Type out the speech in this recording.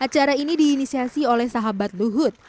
acara ini diinisiasi oleh sahabat luhut